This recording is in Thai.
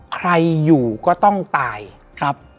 ใครอยู่ก็ต้องตายครับ